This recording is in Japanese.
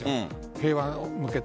平和に向けて。